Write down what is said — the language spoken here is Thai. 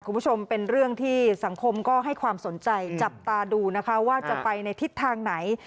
คุณผู้ชมเป็นเรื่องที่สังคมก็ให้ความสนใจจับตาดูนะคะว่าจะไปในทิศทางไหน